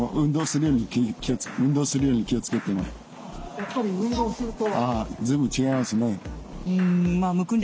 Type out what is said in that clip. やっぱり運動すると？